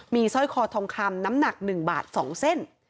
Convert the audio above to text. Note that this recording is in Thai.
มีสร้อยคอทองคำน้ำหนัก๑บาท๒เส้น